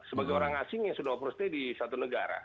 sebagai orang asing yang sudah overstay di satu negara